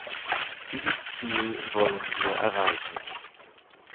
Dieses Ziel wollen wir erreichen.